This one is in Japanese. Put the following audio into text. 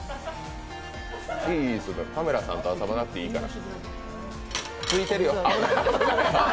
カメラさんと遊ばなくていいから。